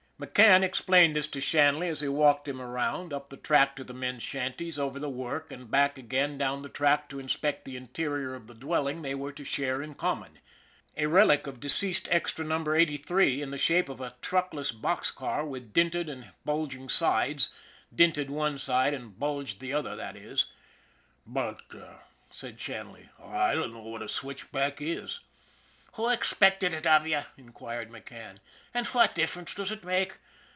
io8 ON THE IRON AT BIG CLOUD McCann explained this to Shanley as he walked him around, up the track to the men's shanties, over the work, and back again down the track to inspect the interior of the dwelling they were to share in common a relic of deceased Extra Number Eighty three in the shape of a truckless box car with dinted and bulging sides dinted one side and bulged the other, that is. " But," said Shanley, " I dunno what a switchback is." '' Who expected it av ye ?" inquired McCann. " An' fwhat difference does ut make